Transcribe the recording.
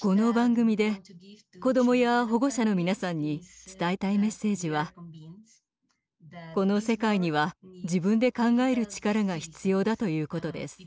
この番組で子どもや保護者の皆さんに伝えたいメッセージは「この世界には自分で考える力が必要だ」ということです。